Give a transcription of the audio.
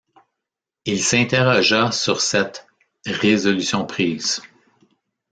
Il s’interrogea sur cette « résolution prise ».